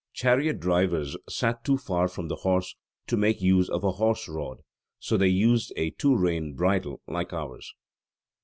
Chariot drivers sat too far from the horse to make use of a horse rod; so they used a two rein bridle like ours.